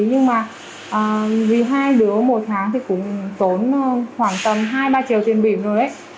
nhưng mà vì hai đứa một tháng thì cũng tốn khoảng tầm hai ba triệu tiền biển rồi đấy